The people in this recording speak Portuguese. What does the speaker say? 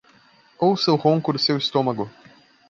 Ouça o ronco do seu estômago